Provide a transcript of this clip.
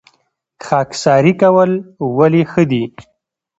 خاکساري کول ولې ښه دي؟